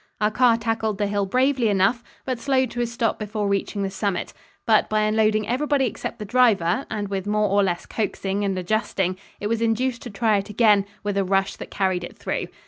Our car tackled the hill bravely enough, but slowed to a stop before reaching the summit; but by unloading everybody except the driver, and with more or less coaxing and adjusting, it was induced to try it again, with a rush that carried it through.